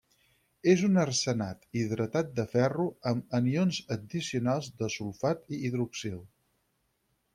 És un arsenat hidratat de ferro amb anions addicionals de sulfat i hidroxil.